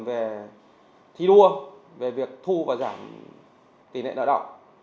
về thi đua về việc thu và giảm tỷ lệ nợ động